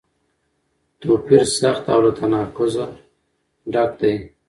توپیر سخت او له تناقضه ډک دی.